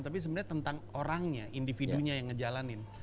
tapi sebenarnya tentang orangnya individunya yang ngejalanin